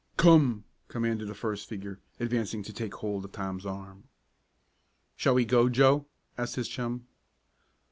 "Come!" commanded the first figure, advancing to take hold of Tom's arm. "Shall we go, Joe?" asked his chum.